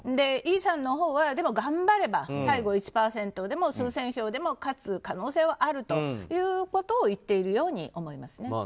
イさんのほうは頑張れば最後の１％でも数千票でも勝つ可能性はあるということを言っているように思いますね。